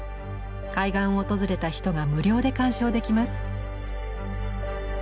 海岸を訪れた人が無料で鑑賞できます。